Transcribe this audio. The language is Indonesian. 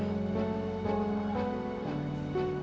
punya tawaran yang menarik buat kamu